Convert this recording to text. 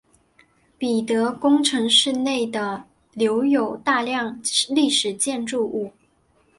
彼得宫城市内的留有大量历史建筑物。